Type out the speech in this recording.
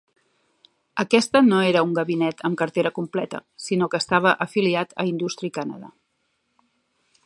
Aquesta no era un gabinet amb cartera completa, sinó que estava afiliat a Industry Canada.